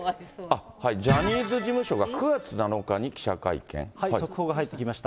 ジャニーズ事務所が９月７日速報が入ってきました。